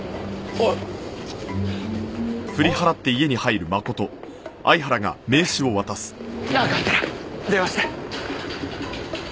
ねえなんかあったら電話して。